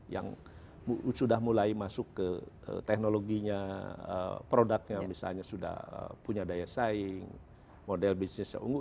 yang sudah mulai masuk ke teknologinya produknya misalnya sudah punya daya saing model bisnisnya unggul